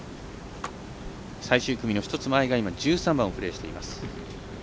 最終組の１つ前が今、１３番をプレーしています。